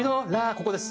ここです。